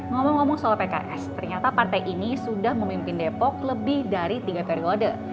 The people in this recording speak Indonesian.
ngomong ngomong soal pks ternyata partai ini sudah memimpin depok lebih dari tiga periode